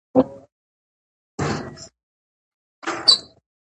مارغان ګور والوتل.